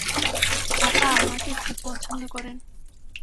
আপা আমাকে খুব পছন্দ করেন।